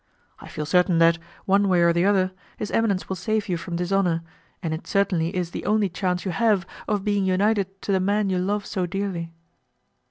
I feel certain that, one way or the other, his eminence will save you from dishonour, and it certainly is the only chance you have of being united to the man you love so dearly."